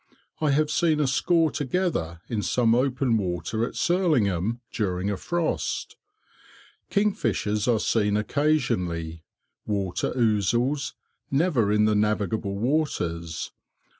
I have seen a score together in some open water, at Surlingham, during a frost. Kingfishers are seen occasionally; water ouzels never in the navigable waters.